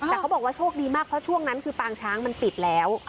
แต่เขาบอกว่าโชคดีมากเพราะช่วงนั้นคือปางช้างมันปิดแล้ว